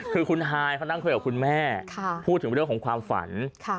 คือคุณฮายเขานั่งคุยกับคุณแม่พูดถึงเรื่องของความฝัน